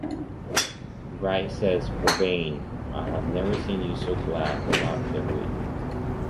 Right says Parvane. I have never seen you so glad, knock the wood.